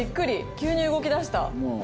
急に動き出した。